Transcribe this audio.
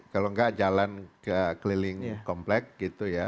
kalau enggak jalan keliling komplek gitu ya